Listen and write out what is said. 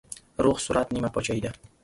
روغ صورت نيمه پاچاهي ده.